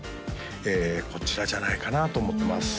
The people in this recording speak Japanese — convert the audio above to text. こちらじゃないかなと思ってます